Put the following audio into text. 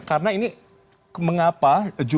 karena ini kematiannya